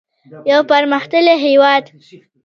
یو پرمختللی هیواد.